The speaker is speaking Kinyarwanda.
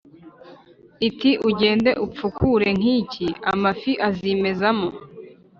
iti : “ugende ufukure nk’iki, amafi azimezamo.”